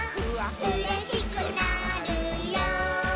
「うれしくなるよ」